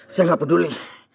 saya gak peduli